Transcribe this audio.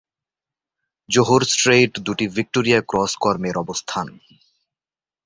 জোহর strait দুটি Victoria Cross কর্মের অবস্থান।